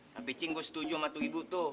tapi cing gue setuju sama tuh ibu tuh